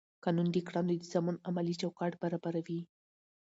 قانون د کړنو د سمون عملي چوکاټ برابروي.